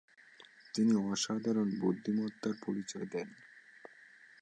তিনি অসাধারণ বুদ্ধিমত্তার পরিচয় দেন।